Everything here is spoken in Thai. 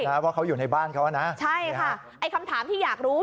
เพราะเขาอยู่ในบ้านเขาอ่ะนะใช่ค่ะไอ้คำถามที่อยากรู้